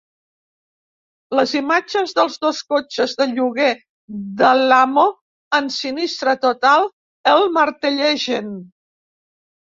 Les imatges dels dos cotxes de lloguer d'Alamo en sinistre total el martellegen.